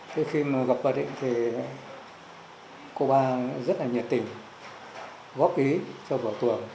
thế khi mà gặp bà định thì cô ba rất là nhiệt tình góp ý cho vở tuồng